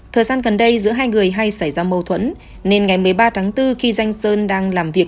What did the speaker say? thời gian gần đây giữa hai người hay xảy ra mâu thuẫn nên ngày một mươi ba tháng bốn khi danh sơn đang làm việc